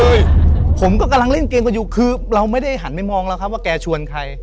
ผมก็กำลังเล่นเกมกันอยู่คือเราไม่ได้หันไปมองแล้วครับว่าแกชวนใคร